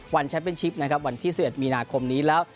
วันแชมป์เป็นชิปวันที่๑๑มีนาคมนี้แล้ว